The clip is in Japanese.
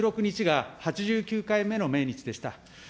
一昨日、１０月１６日が８９回目の命日でした。